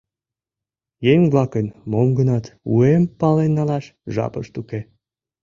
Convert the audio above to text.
— Еҥ-влакын мом-гынат уым пален налаш жапышт уке.